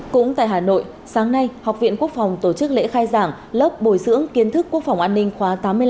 cũng tại hà nội sáng nay học viện quốc phòng tổ chức lễ khai giảng lớp bồi dưỡng kiến thức quốc phòng an ninh khóa tám mươi năm